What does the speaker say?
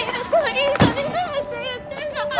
・一緒に住むって言ったじゃん。